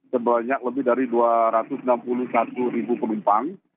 sebanyak lebih dari dua ratus enam puluh satu ribu penumpang